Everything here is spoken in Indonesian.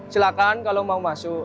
silahkan kalau mau masuk